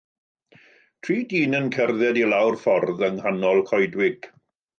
Tri dyn yn cerdded i lawr ffordd yng nghanol coedwig.